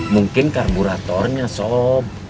mungkin karburatornya sob